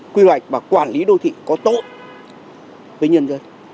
quy hoạch và quản lý đô thị có tốt với nhân dân